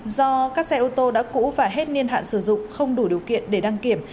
do các xe ô tô đã cũ và hết niên hạn sử dụng không đủ điều kiện để đăng kiểm